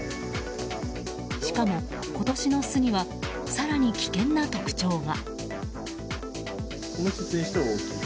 しかも今年の巣には更に危険な特徴が。